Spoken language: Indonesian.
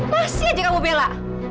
masih aja kamu bela